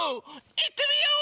いってみよう！